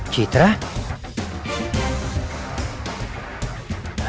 kita tak bisa